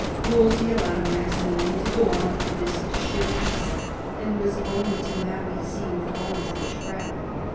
Wolsey allowed Maximilian to go on with his shifty talk, and was only too glad to see him fall into the trap.